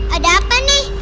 ada apa nih